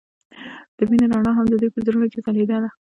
د مینه رڼا هم د دوی په زړونو کې ځلېده.